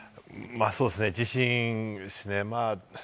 そうですね、自信ですね。